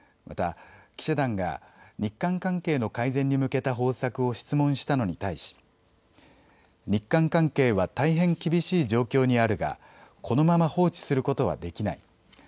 また、記者団が日韓関係の改善に向けた方策を質問したのに対し日韓関係は大変厳しい状況にあるがこのまま放置することはできない。